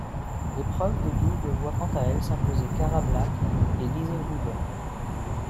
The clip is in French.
L'épreuve de double voit quant à elle s'imposer Cara Black et Liezel Huber.